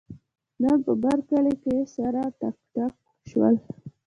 نن په برکلي کې سره ټکاټک شول.